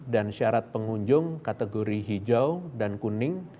dan syarat pengunjung kategori hijau dan kuning